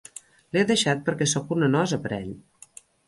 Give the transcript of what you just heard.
L'he deixat perquè soc una nosa per a ell.